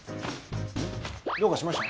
んっどうかしました？